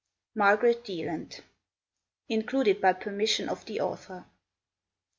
Margaret Deland _Included by permission of the author.